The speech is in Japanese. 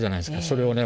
それをね